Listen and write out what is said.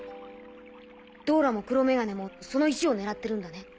ドーラも黒メガネもその石を狙ってるんだね。